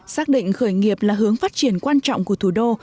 xác định khởi nghiệp là hướng phát triển quan trọng của thủ đô